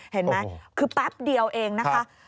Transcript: เห็นไหมคือแป๊บเดียวเองนะคะ